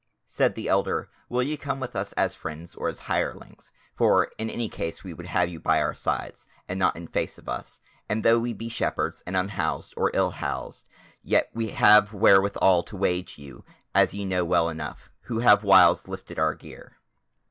Said the Elder: "Will ye come with us as friends or as hirelings? for in any case we would have you by our sides, and not in face of us; and though we be shepherds, and unhoused, or ill housed, yet have we wherewithal to wage you, as ye know well enough, who have whiles lifted our gear."